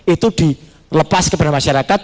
itu dilepas kepada masyarakat